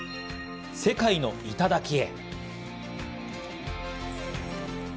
世界の頂へ。